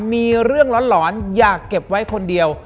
มีเรื่องหลอนอยากเก็บไว้คนเดียว